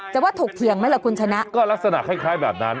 ว่าถกเถียงไหมล่ะคุณชนะก็ลักษณะคล้ายคล้ายแบบนั้น